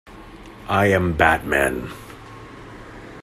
I am Batman!